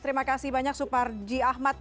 terima kasih banyak suparji ahmad